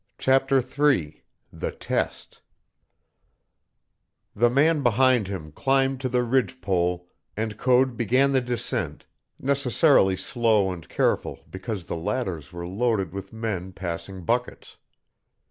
CHAPTER III THE TEST The man behind him climbed to the ridge pole and Code began the descent, necessarily slow and careful because the ladders were loaded with men passing buckets.